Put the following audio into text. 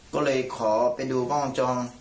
ก็เลยขอไปดูกล้องจอง